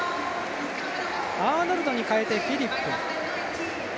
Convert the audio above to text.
アーノルドに代えて、フィリップ。